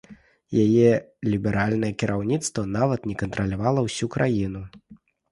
Яе ліберальнае кіраўніцтва нават не кантралявала ўсю краіну.